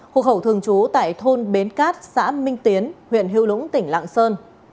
hộ khẩu thường chú tại thôn bến cát xã minh tiến huyện hiếu lũng tỉnh lạng sơn